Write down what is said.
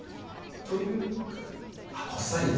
というかこっさりです。